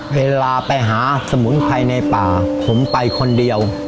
เวลาไปหาสมุนไพรในป่าผมไปคนเดียว